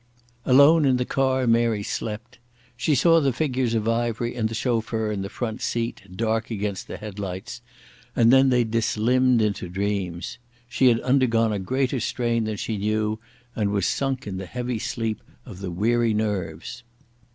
Alone in the car Mary slept. She saw the figures of Ivery and the chauffeur in the front seat dark against the headlights, and then they dislimned into dreams. She had undergone a greater strain than she knew, and was sunk in the heavy sleep of weary nerves.